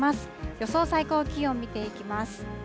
予想最高気温見ていきます。